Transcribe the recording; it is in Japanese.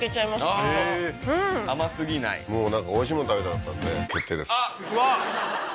うわっ！